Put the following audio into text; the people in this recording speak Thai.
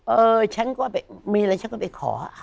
เออฉันก็มีอะไรฉันก็ไปขอ